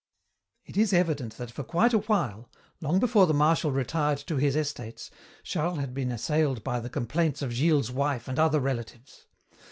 "It is evident that for quite a while, long before the Marshal retired to his estates, Charles had been assailed by the complaints of Gilles's wife and other relatives.